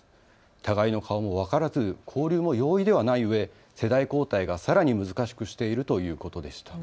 互いの顔も分からず交流も容易ではないうえ世代交代がさらに難しくしているということでした。